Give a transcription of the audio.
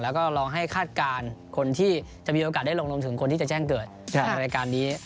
แล้วก็ลองให้คาดการณ์คนที่จะมีโอกาสได้ลงรวมถึงคนที่จะแจ้งเกิดในรายการนี้